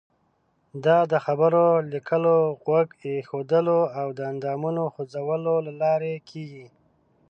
دا د خبرو، لیکلو، غوږ ایښودلو او د اندامونو خوځولو له لارې کیږي.